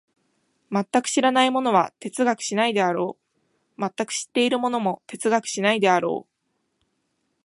全く知らない者は哲学しないであろう、全く知っている者も哲学しないであろう。